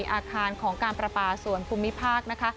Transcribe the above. อาคารของการประปาส่วนภูมิภาคนะคะ